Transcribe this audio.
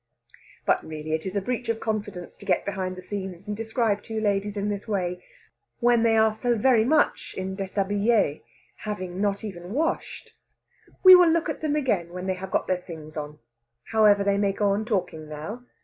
But really it is a breach of confidence to get behind the scenes and describe two ladies in this way, when they are so very much in déshabille have not even washed! We will look at them again when they have got their things on. However, they may go on talking now.